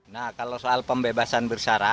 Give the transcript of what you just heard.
nah kalau soal pembebasan bersara